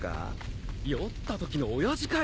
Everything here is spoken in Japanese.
酔ったときの親父かよ。